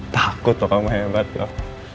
takut loh kamu hebat kok